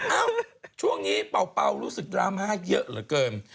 เอ้าช่วงนี้เป่ารู้สึกดราม่าเยอะเหลือเกิน